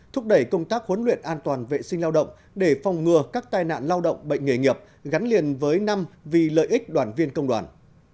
thúc đẩy công tác huấn luyện an toàn vệ sinh lao động để phòng ngừa các tai nạn lao động bệnh nghề nghiệp gắn liền với năm vì lợi ích đoàn viên công đoàn